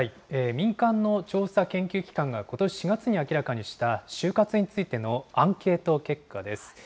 民間の調査研究機関がことし４月に明らかにした終活についてのアンケート結果です。